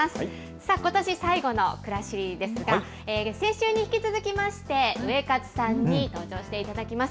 さあ、ことし最後のくらしりですが、先週に引き続きまして、ウエカツさんに登場していただきます。